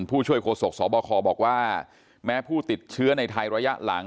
ผู้ช่วยโฆษกสบคบอกว่าแม้ผู้ติดเชื้อในไทยระยะหลัง